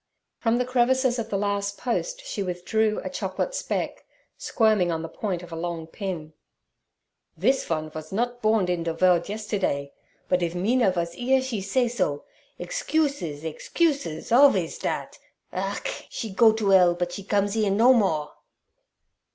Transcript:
From the crevices of the last post she withdrew a chocolate speck, squirming on the point of a long pin. 'This von vos nod borned into der vorld yesterday. Bud if Mina vos 'ere she say so. Egscuses, egscuses—alvays dat. Ach! she go to 'ell bud she comes 'ere no more.'